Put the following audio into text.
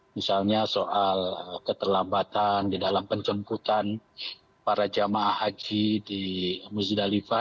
misalnya soal keterlambatan di dalam penjemputan para jamaah haji di muzdalifah